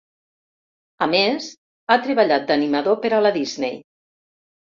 A més, ha treballat d'animador per a la Disney.